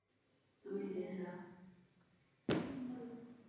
Obléhání skončilo nezdarem francouzských královských vojsk.